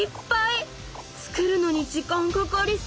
つくるのに時間かかりそう！